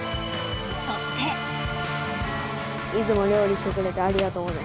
［そして］いつも料理してくれてありがとう。